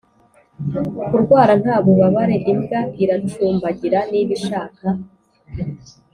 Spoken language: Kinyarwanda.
kurwara nta bubabare imbwa iracumbagira niba ishaka.